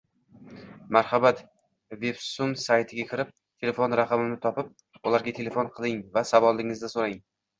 Marhamat, Websum saytiga kirib, telefon raqamini topib, ularga telefon qiling va savolingizni so’rang